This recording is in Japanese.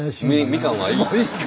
みかんはいい。